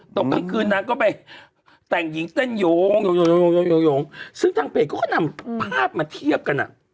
กลางคืนนางก็ไปแต่งหญิงเต้นโยงซึ่งทางเพจเขาก็นำภาพมาเทียบกันอ่ะ